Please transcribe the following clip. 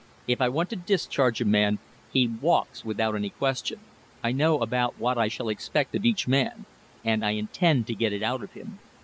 If I want to discharge a man, he WALKS without any question. I know about what I shall expect of each man; and I intend to get it out of him.